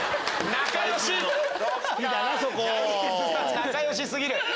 仲良し過ぎる！